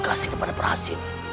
terima kasih kepada perhasil